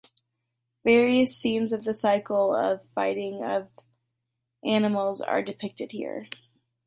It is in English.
Various scenes of the cycle of fighting of animals are depicted here.